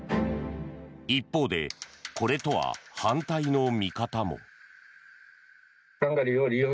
一方で、これとは反対の見方も。